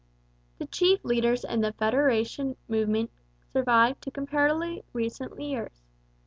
The chief leaders in the federation movement survived to comparatively recent years.